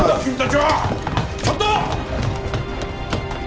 ちょっと！